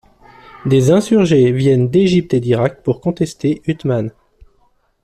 Des insurgés viennent d'Égypte et d'Irak pour contester ʿUṯmān.